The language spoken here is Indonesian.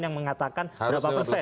yang mengatakan berapa persen